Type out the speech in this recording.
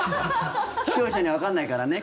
視聴者にはわかんないからね